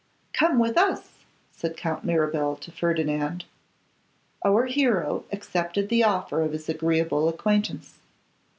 'Come with us,' said Count Mirabel to Ferdinand. Our hero accepted the offer of his agreeable acquaintance.